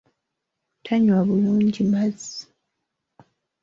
Tanywa bulungi mazzi.